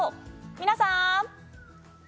皆さん！